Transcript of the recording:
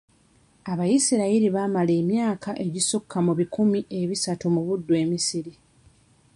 Abayisirayiri baamala emyaka egisukka mu bikumi ebisatu mu buddu e Misiri.